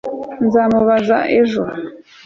Nzamubaza ejo